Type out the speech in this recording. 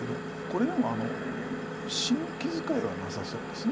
これでも死ぬ気遣いはなさそうです。